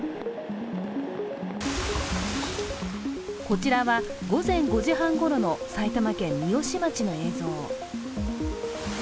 こちらは、午前５時半ごろの埼玉県三芳町の映像。